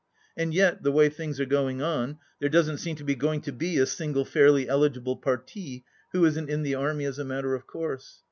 And yet, the way things are going on, there doesn't seem to be going to be a single fairly eligible parti who isn't in the Army as a matter of course.